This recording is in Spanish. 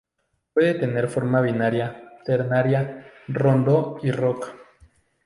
Puede tener forma binaria, ternaria, rondó y rock.